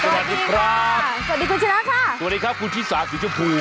สวัสดีครับคุณพี่ชายผู้